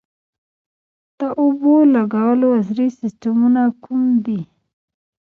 د اوبو لګولو عصري سیستمونه کوم دي؟